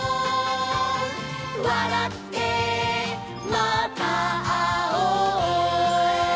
「わらってまたあおう」